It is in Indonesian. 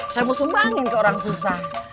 saya mau sumbangin ke orang susah